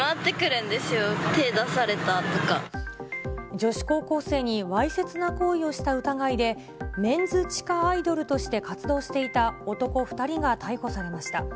女子高校生にわいせつな行為をした疑いで、メンズ地下アイドルとして活動していた男２人が逮捕されました。